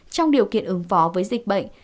trong điều kiện ứng phó với dịch bệnh